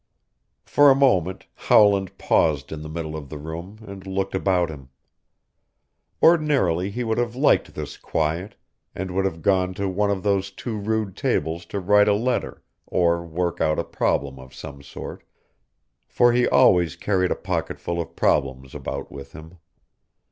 For a moment Howland paused in the middle of the room and looked about him. Ordinarily he would have liked this quiet, and would have gone to one of the two rude tables to write a letter or work out a problem of some sort, for he always carried a pocketful of problems about with him.